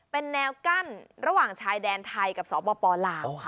เป็นแนวกั้นระหว่างชายแดนไทยกับสองป่อปลาลาวค่ะ